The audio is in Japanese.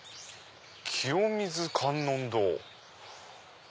清水観音堂」。